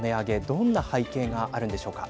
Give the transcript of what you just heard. どんな背景があるんでしょうか。